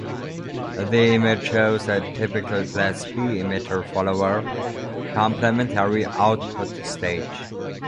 The image shows a typical class-B emitter-follower complementary output stage.